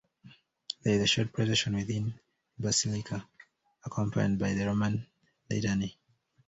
There is a short procession within the basilica, accompanied by the Roman litany.